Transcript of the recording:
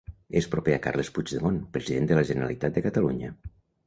És proper a Carles Puigdemont, President de la Generalitat de Catalunya.